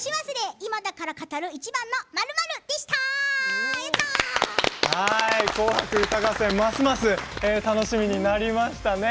今だから語る、一番の○○」「紅白歌合戦」ますます楽しみになりましたね。